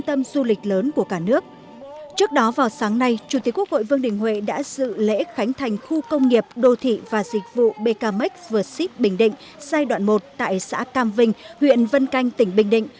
trước đó vào sáng nay chủ tịch quốc hội vương đình huệ đã dự lễ khánh thành khu công nghiệp đô thị và dịch vụ bkmec vượt xít bình định giai đoạn một tại xã cam vinh huyện vân canh tỉnh bình định